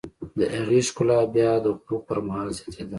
د هغې ښکلا بیا د غروب پر مهال زیاتېده.